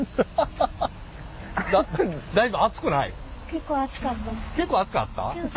結構熱かった？